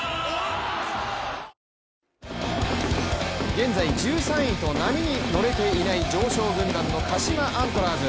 現在、１３位と波に乗れていない常勝軍団の鹿島アントラーズ。